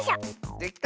できた！